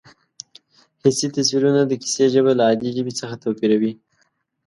حسي تصویرونه د کیسې ژبه له عادي ژبې څخه توپیروي